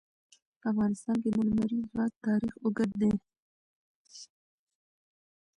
په افغانستان کې د لمریز ځواک تاریخ اوږد دی.